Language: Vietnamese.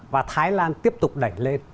và thái lan tiếp tục đẩy lên